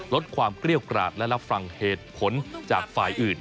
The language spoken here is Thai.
ลดความเกรี้ยวกราดและรับฟังเหตุผลจากฝ่ายอื่น